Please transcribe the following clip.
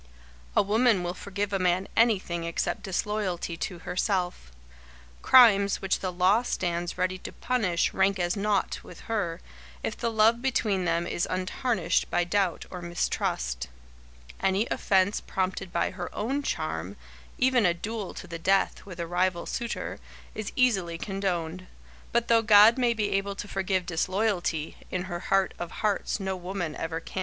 A woman will forgive a man anything except disloyalty to herself. Crimes which the law stands ready to punish rank as naught with her, if the love between them is untarnished by doubt or mistrust. Any offence prompted by her own charm, even a duel to the death with a rival suitor, is easily condoned. But though God may be able to forgive disloyalty, in her heart of hearts no woman ever can.